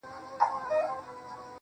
o تا دي کرلي ثوابونه د عذاب وخت ته.